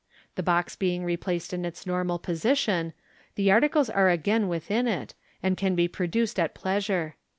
The box being replaced in its normal position, the ar<icles aie again within it, and can be produced at plea sure.